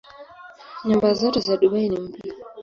Nyumba zote za Dubai ni mpya.